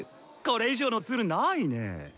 これ以上のズルないネ！